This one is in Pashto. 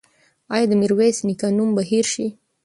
ایا د میرویس نیکه نوم به هېر شي؟